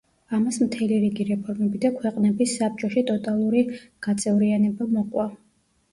ამას მთელი რიგი რეფორმები და ქვეყნების საბჭო ში ტოტალური გაწევრიანება მოყვა.